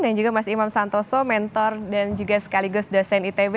dan juga mas imam santoso mentor dan juga sekaligus dosen itb